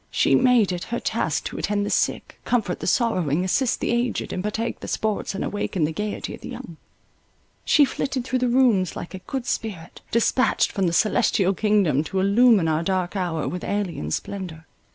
She made it her task to attend the sick, comfort the sorrowing, assist the aged, and partake the sports and awaken the gaiety of the young. She flitted through the rooms, like a good spirit, dispatched from the celestial kingdom, to illumine our dark hour with alien splendour.